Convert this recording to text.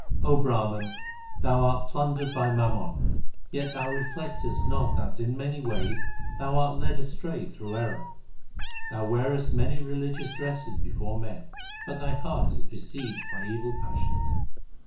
O Brahman, thou art plundered by mammon, yet thou reflectest not That in many ways thou art led astray through error. Thou wearest many religious dresses before men, But thy heart is besieged by evil passions.